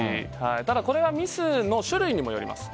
ただ、これはミスの種類にもよります。